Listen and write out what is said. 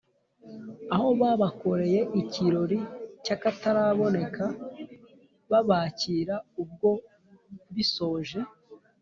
aho babakoreye ikirori cy’akataraboneka babakira ubwo bisoje